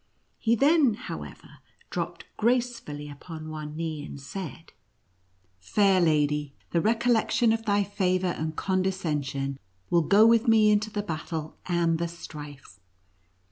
He then, how ever, dropped gracefully upon one knee, and said, " Fair lady, the recollection of thy favor and con descension will go with me into the battle and the strife."